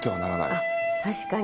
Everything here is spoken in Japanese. あっ確かに。